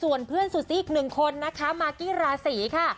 ส่วนเพื่อนซูซี่อีกหนึ่งคนนะคะมากกี้ราศีค่ะ